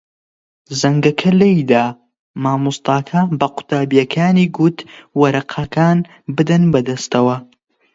زەنگەکە لێی دا. مامۆستاکە بە قوتابییەکانی گوت وەرەقەکان بدەن بەدەستەوە.